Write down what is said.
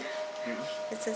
iya masih hamil